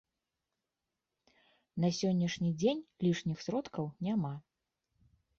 На сённяшні дзень лішніх сродкаў няма.